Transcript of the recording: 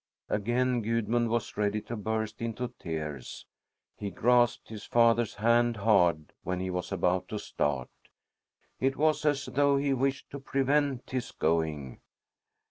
Again Gudmund was ready to burst into tears. He grasped his father's hand hard when he was about to start; it was as though he wished to prevent his going.